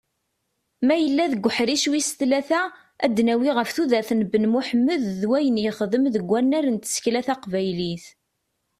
Ma yella deg uḥric wis tlata, ad d-nawwi ɣef tudert n Ben Muḥemmed d wayen yexdem deg wunar n tsekla taqbaylit.